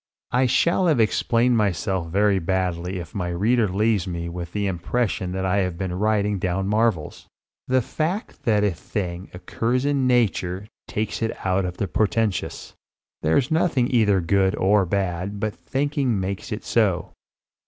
I shall have explained myself very badly if my reader leaves me with the impression that I have been writing down marvels. The fact that a thing occurs in nature takes it out of the portentous. There's nothing either good or bad but thinking makes it so.